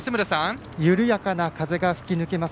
緩やかな風が吹きぬけます